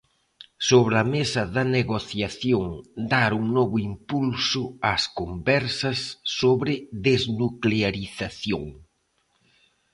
Sobre a mesa da negociación dar un novo impulso ás conversas sobre desnuclearización.